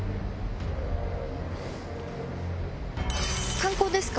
観光ですか？